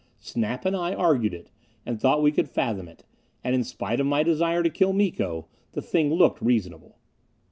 Snap and I argued it, and thought we could fathom it; and in spite of my desire to kill Miko, the thing looked reasonable.